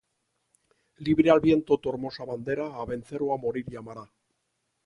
Libre al viento tu hermosa bandera a vencer o a morir llamará